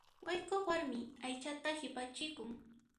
Wayk'uq warmi aychata qhipachikun.